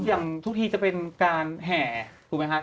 อย่างทุกทีจะเป็นการแห่ถูกไหมครับ